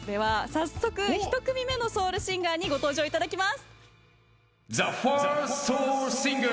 早速１組目のソウルシンガーにご登場いただきます。